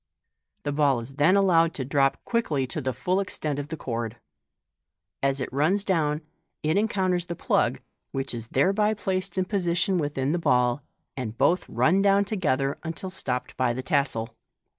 The ball is then allowed to drop quickly to the full extent of the cord. As it runs down, it encounters the plug, which is thereby placed in position within the ball, and both run down together until stopped by the tassel.